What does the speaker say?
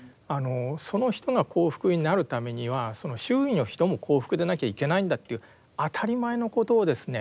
その人が幸福になるためにはその周囲の人も幸福でなきゃいけないんだという当たり前のことをですね